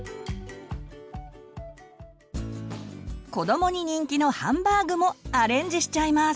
子どもに人気のハンバーグもアレンジしちゃいます。